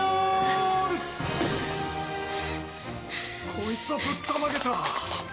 こいつはぶったまげた。